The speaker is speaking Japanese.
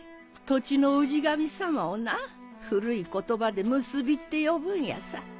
土地の氏神様をな古い言葉で産霊って呼ぶんやさ。